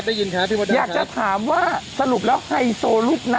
ทางกลุ่มมวลชนทะลุฟ้าทางกลุ่มมวลชนทะลุฟ้า